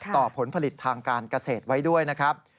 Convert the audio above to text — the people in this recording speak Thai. ผลผลิตทางการเกษตรไว้ด้วยนะครับ